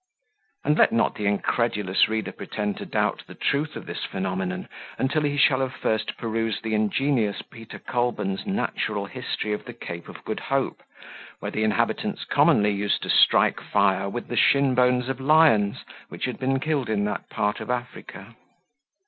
And let not the incredulous reader pretend to doubt the truth of this phenomenon, until he shall have first perused the ingenious Peter Kolben's Natural History of the Cape of Good Hope, where the inhabitants commonly used to strike fire with the shin bones of lions which had been killed in that part of Africa.